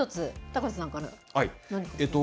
高瀬さんから何か。